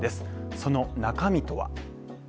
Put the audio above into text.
その中身とは。